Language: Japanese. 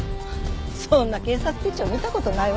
そんな警察手帳見た事ないわ。